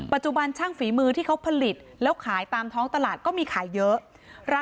ปัจจุบันช่างฝีมือที่เขาผลิตแล้วขายตามท้องตลาดก็มีขายเยอะ